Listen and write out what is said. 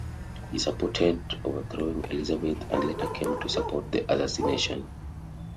He supported overthrowing Elizabeth and later came to support the assassination.